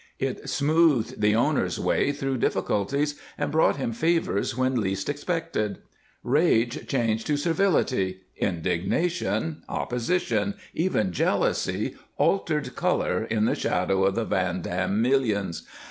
It smoothed the owner's way through difficulties and brought him favors when least expected; rage changed to servility; indignation, opposition, even jealousy altered color in the shadow of the Van Dam millions.